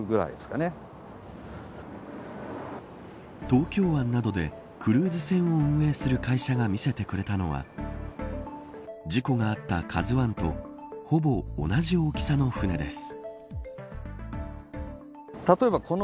東京湾などでクルーズ船を運営する会社が見せてくれたのは事故があったＫＡＺＵ１とほぼ同じ大きさの船です。